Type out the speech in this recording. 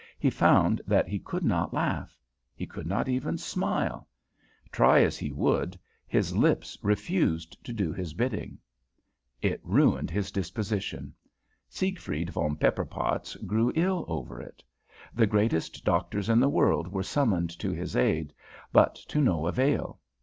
He found that he could not laugh. He could not even smile. Try as he would, his lips refused to do his bidding. [Illustration: "SIEGFRIED VON PEPPERPOTZ GREW ILL OF IT"] "It ruined his disposition. Siegfried von Pepperpotz grew ill over it. The greatest doctors in the world were summoned to his aid, but to no avail.